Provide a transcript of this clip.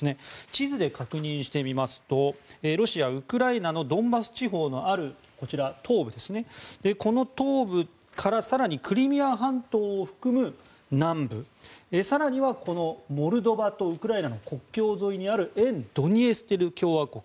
地図で確認してみますとロシア、ウクライナのドンバス地方のある東部から更にクリミア半島を含む南部更にはモルドバとウクライナの国境沿いにある沿ドニエストル共和国。